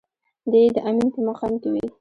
دی يې د امين په مقام کې وي.